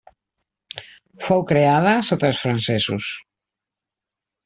Fou creada sota els francesos.